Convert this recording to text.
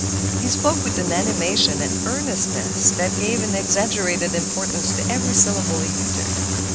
He spoke with an animation and earnestness that gave an exaggerated importance to every syllable he uttered.